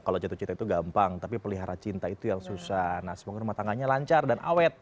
kalau jatuh cinta itu gampang tapi pelihara cinta itu yang susah nah semoga rumah tangganya lancar dan awet